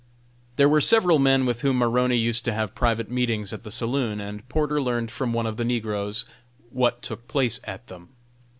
There were several men with whom Maroney used to have private meetings at the saloon, and Porter learned from one of the negroes what took place at them.